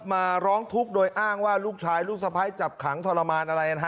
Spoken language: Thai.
มาร้องทุกข์โดยอ้างว่าลูกชายลูกสะพ้ายจับขังทรมานอะไรนะฮะ